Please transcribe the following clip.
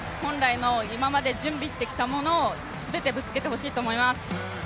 今まで準備してきたものを全てぶつけてほしいと思います。